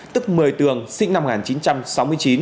tức một mươi tường sinh năm một nghìn chín trăm sáu mươi chín